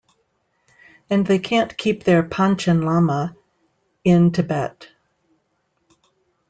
And they can't keep their Panchen Lama in Tibet.